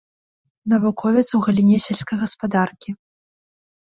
Навуковец у галіне сельскай гаспадаркі.